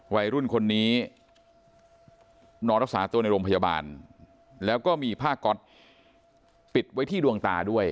วัยรุ่นคนนี้นอนรักษาตัวในโรงพยาบาลแล้วก็มีผ้าก๊อตปิดไว้ที่ดวงตาด้วย